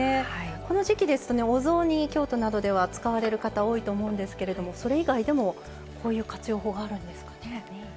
この時期ですとお雑煮京都などでは使われる方多いと思うんですけれどもそれ以外でもこういう活用法があるんですかね。